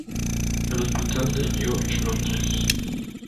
El hospital de George, Londres.